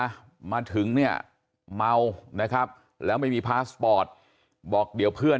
มาถึงเนี่ยเมานะครับแล้วไม่มีพาสปอร์ตบอกเดี๋ยวเพื่อน